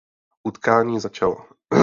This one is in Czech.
Utkání začalo.